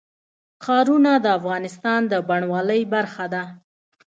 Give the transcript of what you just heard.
ښارونه د افغانستان د بڼوالۍ برخه ده.